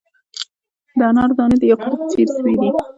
د انارو دانې د یاقوتو په څیر سرې دي.